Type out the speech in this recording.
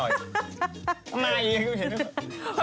ไม่ยังไม่เห็น